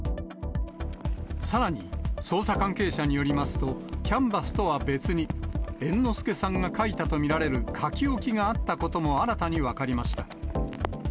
さらに、捜査関係者によりますと、キャンバスとは別に、猿之助さんが書いたと見られる書き置きがあったことも新たに分かりました。